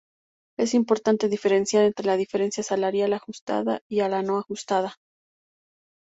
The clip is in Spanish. Es importante diferenciar entre la diferencia salarial ajustada y la no ajustada.